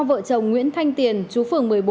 vợ chồng nguyễn thanh tiền chú phường một mươi bốn